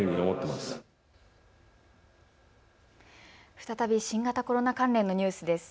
再び新型コロナ関連のニュースです。